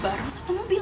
baru satu mobil